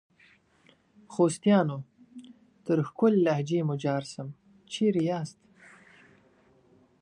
خوستیانو ! تر ښکلي لهجې مو جار سم ، چیري یاست؟